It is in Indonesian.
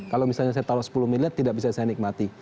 kalau misalnya saya taruh sepuluh miliar tidak bisa saya nikmati